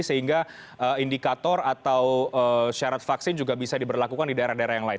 sehingga indikator atau syarat vaksin juga bisa diberlakukan di daerah daerah yang lain